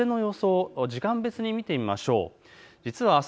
風の予想を時間別に見てみましょう。